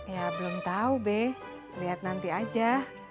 ya belum tahu b lihat nanti aja